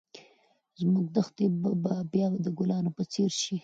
زموږ دښتې به بیا د ګلانو په څېر شي.